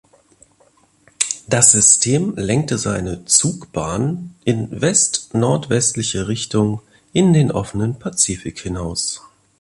Das System lenkte seine Zugbahn in west-nordwestliche Richtung in den offenen Pazifik hinaus.